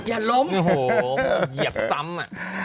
โอ้โฮเหยียบซ้ำ